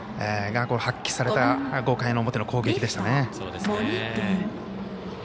発揮された５回の表の攻撃でしたね。